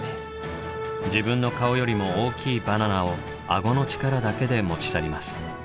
自分の顔よりも大きいバナナをアゴのチカラだけで持ち去ります。